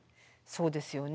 そうですよね。